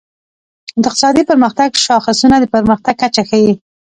د اقتصادي پرمختګ شاخصونه د پرمختګ کچه ښيي.